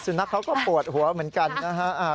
สุนัขเขาก็ปวดหัวเหมือนกันนะครับ